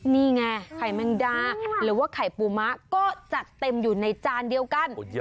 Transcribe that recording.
นี่ไงไข่แมงดาหรือว่าไข่ปูมะก็จัดเต็มอยู่ในจานเดียวกัน